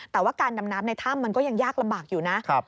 แต่ว่าการดำน้ำในถ้ำมันก็ยังยากลำบากอยู่นะ